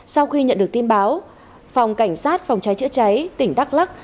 sau khi nhận được tin báo phòng cảnh sát phòng cháy chữa cháy tỉnh đắk lắc